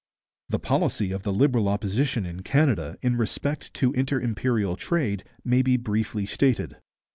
The policy of the Liberal Opposition in Canada in respect to inter imperial trade may be briefly stated.